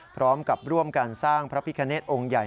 พร้อมกับร่วมการสร้างพระพิคเนตองค์ใหญ่